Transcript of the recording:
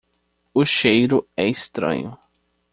O cheiro é estranho.